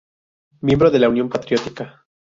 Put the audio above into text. Miembro de la Unión Patriótica.